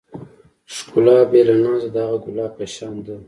ښکلا بې له نازه د هغه ګلاب په شان ده.